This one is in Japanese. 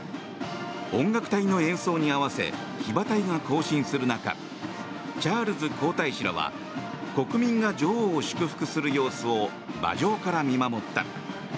音楽隊の演奏に合わせ騎馬隊が行進する中チャールズ皇太子らは国民が女王を祝福する様子を馬上から見守った。